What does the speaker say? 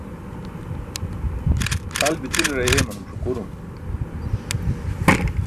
Hal bi̇ćilar ayeemanum ṣuqurum.